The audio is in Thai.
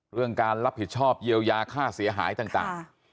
เรื่องการรับผิดชอบเยียวยาค่าเสียหายต่าง